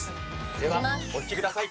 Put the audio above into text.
ではお引きください。